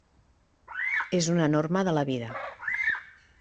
És una norma de la vida.